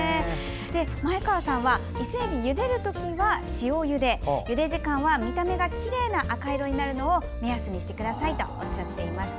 前川さんは伊勢えび、ゆでる時は塩ゆでゆで時間は、見た目がきれいな赤色になるのを目安にしてくださいとおっしゃっていました。